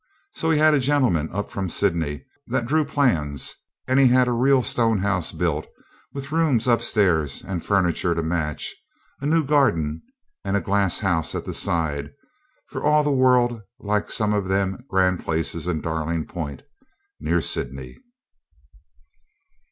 So he had a gentleman up from Sydney that drew plans, and he had a real stone house built, with rooms upstairs, and furniture to match, a new garden, and a glass house at the side, for all the world like some of them grand places in Darling Point, near Sydney.